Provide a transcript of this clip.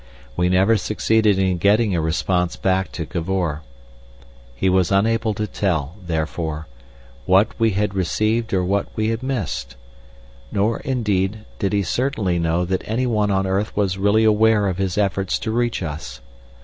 We never succeeded in getting a response back to Cavor. He was unable to tell, therefore, what we had received or what we had missed; nor, indeed, did he certainly know that any one on earth was really aware of his efforts to reach us.